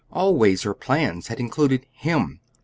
Always her plans had included him.